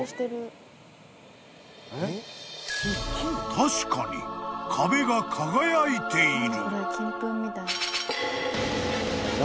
［確かに壁が輝いている］